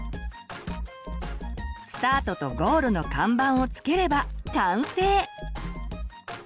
スタートとゴールの看板を付ければ完成！